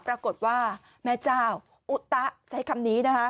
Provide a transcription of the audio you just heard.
ปรากฏว่าแม่เจ้าอุตะใช้คำนี้นะคะ